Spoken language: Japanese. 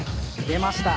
出ました。